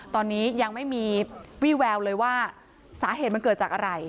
ตอนนี้ยังไม่มีวี่แววเลยว่าสาเหตุมันเกิดจากอะไร